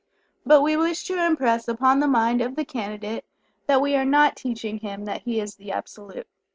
But we wish to impress upon the mind of the Candidate that we are not teaching him that he is the Absolute.